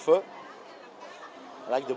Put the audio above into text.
tôi thích hà nội